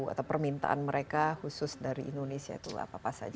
atau permintaan mereka khusus dari indonesia itu apa apa saja